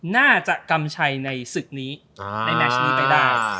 น่าจะกำชัยในศึกนี้ในแมชนี้ไปได้